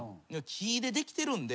木でできてるんで。